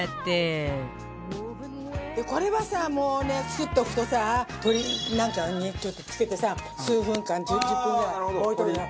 これはさもうね作っておくとさ鶏なんかにちょっと漬けてさ数分間１０分ぐらい置いておくの。